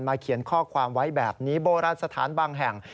เขียนข้อความไว้แบบนี้โบราณสถานบางแห่ง